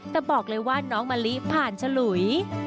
แต่บอกเลยว่าน้องมะลิผ่านฉลุย